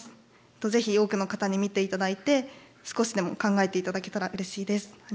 是非多くの方に見ていただいて少しでも考えていただけたらうれしいです。